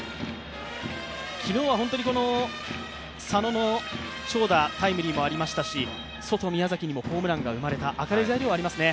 昨日は佐野の長打タイムリーもありましたし、ソト、宮崎にもホームランが生まれた、明るい材料がありますね。